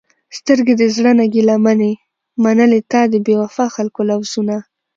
سترګې د زړه نه ګېله منې، منلې تا د بې وفاء خلکو لوظونه